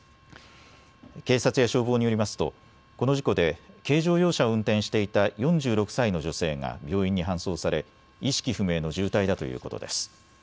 警察や消防によりますとこの事故で軽乗用車を運転していた４６歳の女性が病院に搬送され意識不明の重体だということです。